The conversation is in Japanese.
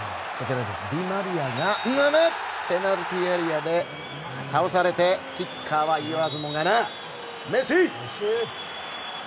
ディマリアがペナルティーエリアで倒されてキッカーはいわずもがなメッシ。